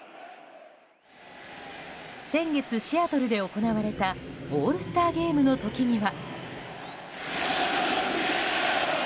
先月シアトルで行われたオールスターゲームの時には。